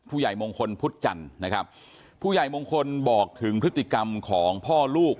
ผู้ใหญ่มงคลพุทธจันทร์นะครับผู้ใหญ่มงคลบอกถึงพฤติกรรมของพ่อลูก